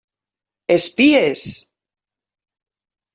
Espies!